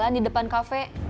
jualan di depan kafe